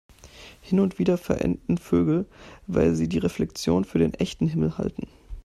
Hin und wieder verenden Vögel, weil sie die Reflexion für den echten Himmel halten.